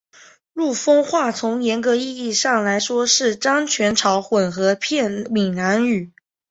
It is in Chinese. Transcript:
陆丰话从严格意义上来说是漳泉潮混合片闽南语。